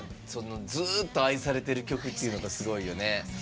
ずっと愛されてる曲っていうのがすごいよね。